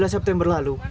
tujuh belas september lalu